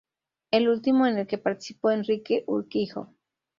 El último en el que participó Enrique Urquijo.